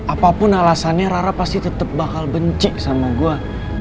apapun alasannya rara pasti tetap bakal benci sama gue